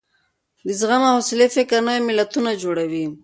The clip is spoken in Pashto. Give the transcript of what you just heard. د زغم او حوصلې فکر نوي ملتونه جوړوي.